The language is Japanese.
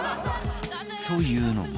というのも